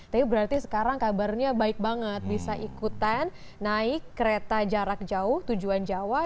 tapi berarti sekarang kabarnya baik banget bisa ikutan naik kereta jarak jauh tujuan jawa